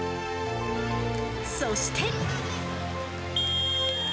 そして。